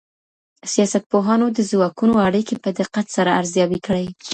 سياستپوهانو د ځواکونو اړيکې په دقت سره ارزيابي کړې.